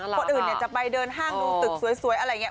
คนอื่นจะไปเดินห้างดูตึกสวยอะไรอย่างนี้